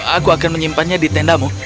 aku akan menyimpannya di tendamu